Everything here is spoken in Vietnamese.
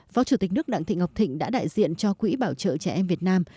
phó chủ tịch nước đặng thị ngọc thịnh đã đại diện cho quỹ bảo trợ trẻ em việt nam